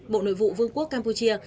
bộ nội vụ vương quốc campuchia